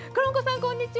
こんにちは。